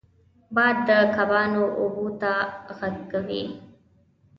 باد د کبانو اوبو ته غږ کوي